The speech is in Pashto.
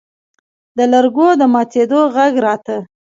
د لرګو د ماتېدو غږ راته.